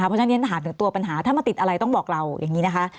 เพราะฉะนั้นเรียนถามถึงตัวปัญหาถ้ามาติดอะไรต้องบอกเราอย่างนี้นะคะ